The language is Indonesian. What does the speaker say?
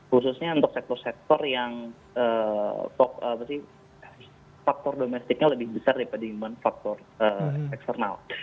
khususnya untuk sektor sektor yang faktor domestiknya lebih besar daripada iman faktor eksternal